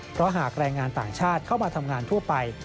เพราะหากแรงงานต่างชาติเข้ามาทำงานทั่วไป